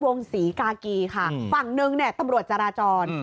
อีกวงศรีกากีฮะฝั่งนึงนี่ตำรวจจราจร